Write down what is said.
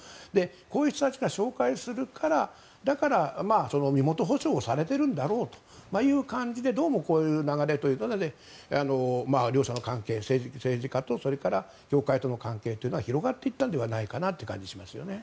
こういう人たちが紹介するからだから身元保証されているんだろうという感じでこういう流れというので両者の関係、政治家と業界との関係というのが広がっていったのではないかという感じがしますよね。